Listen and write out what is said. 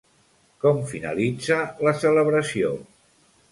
Com finalitza la celebració?